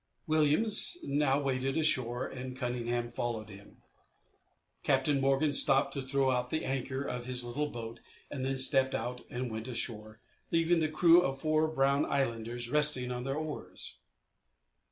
Williams now waded ashore and Cunningham followed him. Captain Morgan stopped to throw out the anchor of his little boat and then stepped out and went ashore, leaving his crew of four brown islanders resting on their oars.